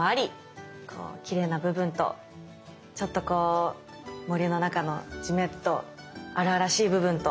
きれいな部分とちょっとこう森の中のじめっと荒々しい部分と。